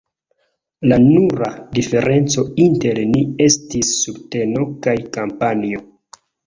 La nura diferenco inter ni estis subteno kaj kampanjo.